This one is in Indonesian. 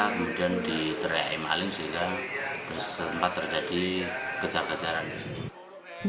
kemudian diteriakkan maling sehingga sempat terjadi kejar kejaran disini